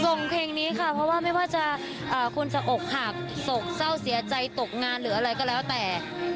เพลงนี้ค่ะเพราะว่าไม่ว่าจะคุณจะอกหักโศกเศร้าเสียใจตกงานหรืออะไรก็แล้วแต่